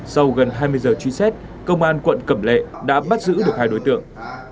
sau gần hai mươi giờ truy xét công an quận cẩm lệ đã bắt giữ được hai đối tượng